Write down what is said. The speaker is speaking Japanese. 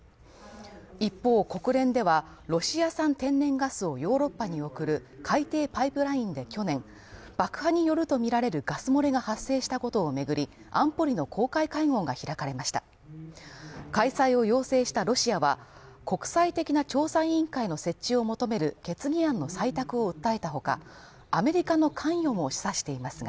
一方国連では、ロシア産天然ガスをヨーロッパに送る海底パイプラインで去年、爆破によるとみられるガス漏れが発生したことを巡り安保理の公開会合が開かれました開催を要請したロシアは国際的な調査委員会の設置を求める決議案の採択を訴えたほか、アメリカの関与を示唆していますが